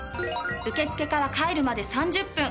受け付けから帰るまで３０分。